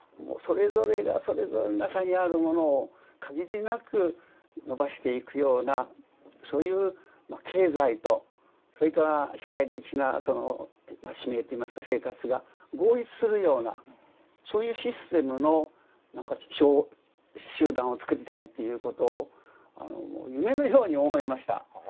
それぞれがそれぞれの中にあるものを限りなく伸ばしていくようなそういう経済とそれから社会的なその使命といいますか生活が合一するようなそういうシステムの集団をつくりたいということを夢のように思いました。